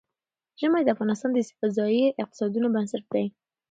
ژمی د افغانستان د ځایي اقتصادونو بنسټ دی.